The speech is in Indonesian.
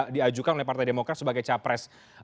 diajukan oleh partai demokrat sebagai capres